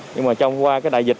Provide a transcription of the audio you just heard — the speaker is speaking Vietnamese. nhưng mà trong qua cái đại dịch